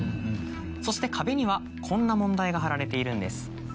そして壁にはこんな問題が貼られているんです。